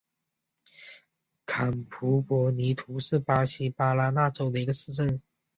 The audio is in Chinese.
坎普博尼图是巴西巴拉那州的一个市镇。